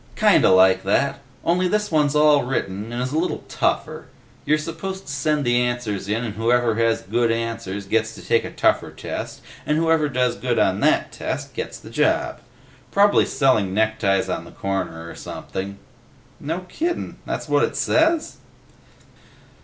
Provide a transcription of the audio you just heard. "Kinda like that, only this one's all written and is a little tougher. You're supposed to send the answers in and whoever has good answers gets to take a tougher test and whoever does good on that test gets the job. Probably selling neckties on the corner or something." "No kiddin'. That what it says?"